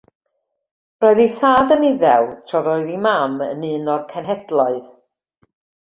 Roedd ei thad yn Iddew tra roedd ei mam yn un o'r cenhedloedd.